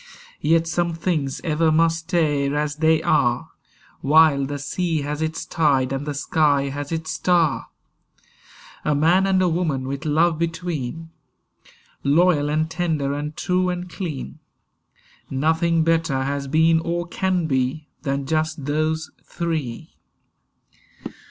Yet some things ever must stay as they are While the sea has its tide and the sky has its star. A man and a woman with love between, Loyal and tender and true and clean, Nothing better has been or can be Than just those three.